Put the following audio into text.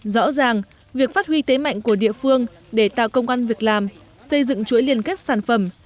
rõ ràng việc phát huy thế mạnh của địa phương để tạo công an việc làm xây dựng chuỗi liên kết sản phẩm